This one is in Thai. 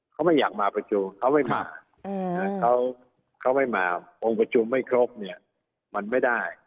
เขาไม่อยากมาประชุมเขาไม่มาเขาไม่มาองค์ประชุมไม่ครบเนี่ยมันไม่ได้